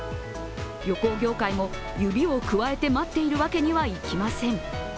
旅行業界も指をくわえて待っているわけにはいきません。